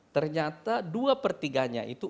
ternyata dua per tiga nya itu